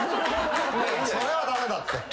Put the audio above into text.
それは駄目だって。